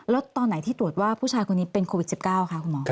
แล้วตอนไหนที่ตรวจว่าผู้ชายคนนี้เป็นโควิด๑๙คะคุณหมอ